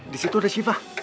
disitu ada syifa